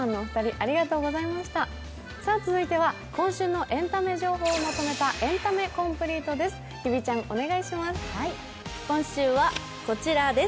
続いては今週のエンタメ情報をまとめた「エンタメコンプリート」です。